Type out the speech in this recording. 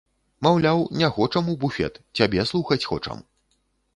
Маўляў, не хочам у буфет, цябе слухаць хочам.